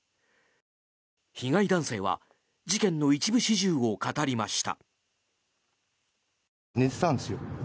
被害男性は事件の一部始終を語りました。